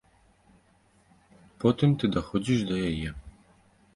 Потым ты даходзіш да яе.